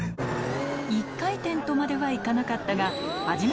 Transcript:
１回転とまではいかなかったがえっ